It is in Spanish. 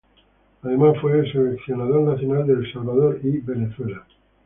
Además fue Seleccionador Nacional de El Salvador y Venezuela.